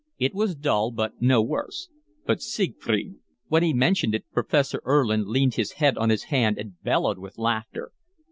It was dull but no worse. But Siegfried! When he mentioned it Professor Erlin leaned his head on his hand and bellowed with laughter.